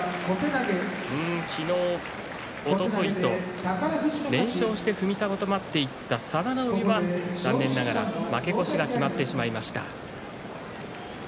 昨日、おとといと連勝して踏みとどまっていた佐田の海は残念ながら負け越しが決まってしまいました。